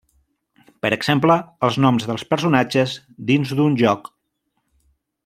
Per exemple, els noms dels personatges dins d'un joc.